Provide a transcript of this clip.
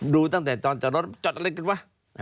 ดูตั้งแต่ตอนจอดรถจอดอะไรกันวะ